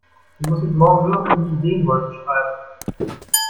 Die muss ich morgen nur noch in die Ideenwolke schreiben.